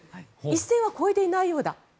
一線は越えていないようだ。